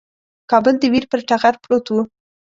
کابل د ویر پر ټغر پروت وو.